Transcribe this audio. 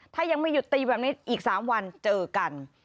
ถ้ายังไม่หยุดตีแบบนี้อีก๓วันเจอกัน